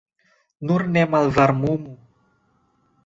Nur ne malvarmumu.